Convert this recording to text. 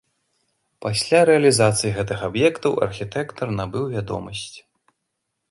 Пасля рэалізацыі гэтых аб'ектаў архітэктар набыў вядомасць.